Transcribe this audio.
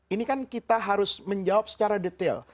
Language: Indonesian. ini kan kita harus menjawab secara detail